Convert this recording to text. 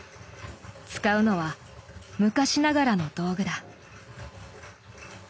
使うのは昔ながらの道具だ。